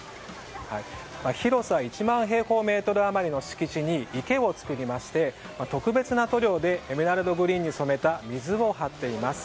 広さ１万平方メートル余りの敷地に池を作りまして、特別な塗料でエメラルドグリーンに染めた水を張っています。